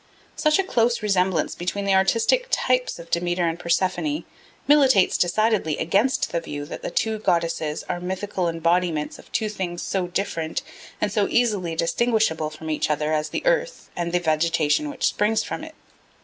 Such a close resemblance between the artistic types of Demeter and Persephone militates decidedly against the view that the two goddesses are mythical embodiments of two things so different and so easily distinguishable from each other as the earth and the vegetation which springs from it.